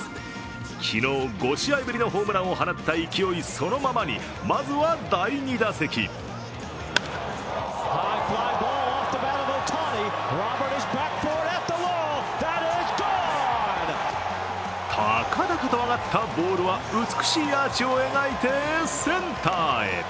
昨日、５試合ぶりのホームランを放った勢いそのままにまずは第２打席高々と上がったボールは美しいアーチを描いてセンターへ。